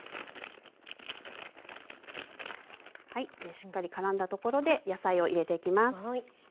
しっかりからんだところで野菜を入れていきます。